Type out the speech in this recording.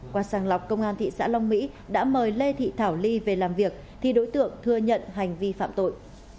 qua sàng lọc công an thị xã long mỹ đã mời lê thị thảo ly về làm việc thì đối tượng thừa nhận hành vi phạm tội